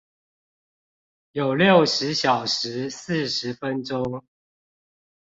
有六十小時四十分鐘